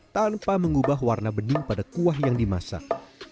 tanpa mengubah warna bening pada kuah yang dimasak